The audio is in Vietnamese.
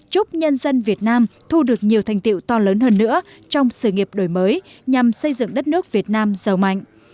chúc nhân dân việt nam thu được nhiều thành tiệu to lớn hơn nữa trong sự nghiệp đổi mới nhằm xây dựng đất nước việt nam giàu mạnh